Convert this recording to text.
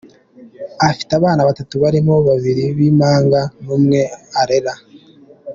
Afite abana batatu barimo babiri b’impanga n’umwe arera.